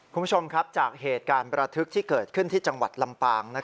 คุณผู้ชมครับจากเหตุการณ์ประทึกที่เกิดขึ้นที่จังหวัดลำปาง